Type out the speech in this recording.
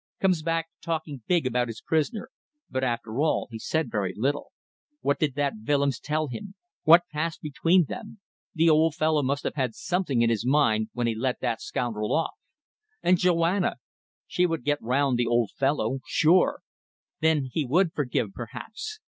Comes back talking big about his prisoner; but after all he said very little. What did that Willems tell him? What passed between them? The old fellow must have had something in his mind when he let that scoundrel off. And Joanna! She would get round the old fellow. Sure. Then he would forgive perhaps.